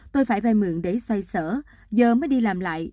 xoay mượn để xoay sở giờ mới đi làm lại